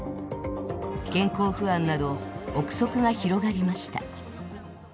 健康不安など憶測が広がりました。